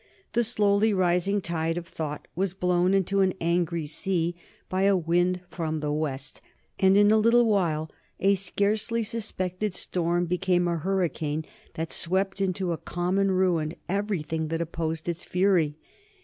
The slowly rising tide of thought was blown into an angry sea by a wind from the west, and in a little while a scarcely suspected storm became a hurricane that swept into a common ruin everything that opposed its fury.